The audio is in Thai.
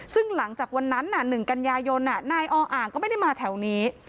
ซึ่งหลังจากวันนั้น๑กันยายนนายออ่างก็ไม่ได้มาแถวนี้